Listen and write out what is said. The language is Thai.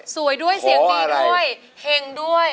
สวยด้วยเสียงดีด้วยเห็งด้วย